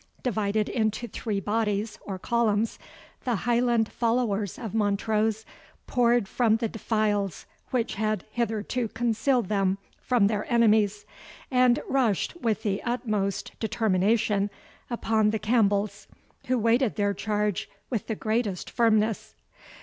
Divided into three bodies, or columns, the Highland followers of Montrose poured from the defiles which had hitherto concealed them from their enemies, and rushed with the utmost determination upon the Campbells, who waited their charge with the greatest firmness.